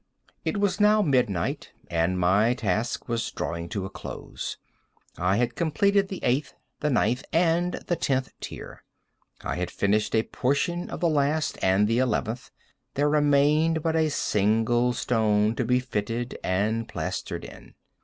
It was now midnight, and my task was drawing to a close. I had completed the eighth, the ninth, and the tenth tier. I had finished a portion of the last and the eleventh; there remained but a single stone to be fitted and plastered in.